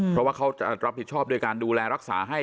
เพราะว่าเขาจะรับผิดชอบด้วยการดูแลรักษาให้